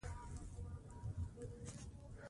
ازادي راډیو د طبیعي پېښې وضعیت انځور کړی.